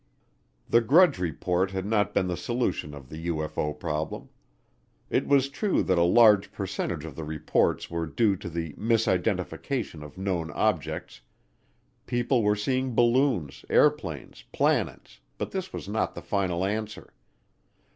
The Grudge Report had not been the solution to the UFO problem. It was true that a large percentage of the reports were due to the "mis identification of known objects"; people were seeing balloons, airplanes, planets, but this was not the final answer.